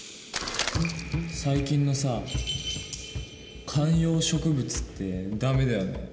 最近のさ観葉植物ってダメだよね。